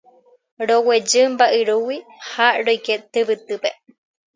Roguejy mba'yrúgui ha roike tyvytýpe